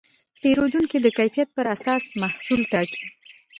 پیرودونکي د کیفیت پر اساس محصول ټاکي.